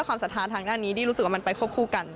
ความศรัทธาทางด้านนี้ที่รู้สึกว่ามันไปควบคู่กัน